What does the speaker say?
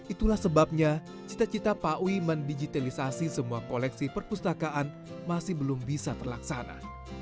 itulah sebabnya cita cita pak wi mendigitalisasi semua koleksi perpustakaan masih belum bisa terlaksana